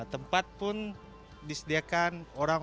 tempat pun disediakan orang